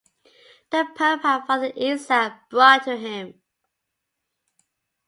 The Pope had Father Isaac brought to him.